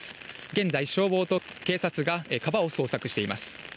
現在、消防と警察が川を捜索しています。